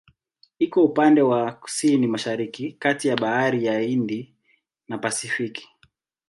Iko upande wa Kusini-Mashariki kati ya Bahari ya Uhindi na Pasifiki.